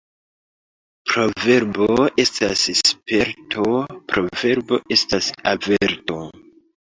Proverbo estas sperto, proverbo estas averto.